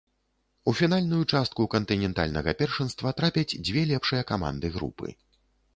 У фінальную частку кантынентальнага першынства трапяць дзве лепшыя каманды групы.